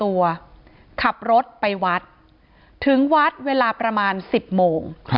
ขับรถไปวัดถึงวัดเวลาประมาณ๑๐โมง